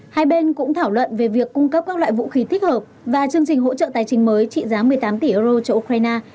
hai bên cũng thảo luận về việc cung cấp các loại vũ khí thích hợp và chương trình hỗ trợ tài chính mới trị giá một mươi tám tỷ euro cho ukraine